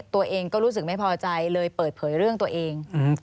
ตัวเองก็รู้สึกไม่พอใจเลยเปิดเผยเรื่องตัวเอง